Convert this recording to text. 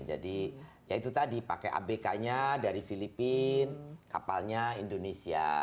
jadi ya itu tadi pakai abk nya dari filipina kapalnya indonesia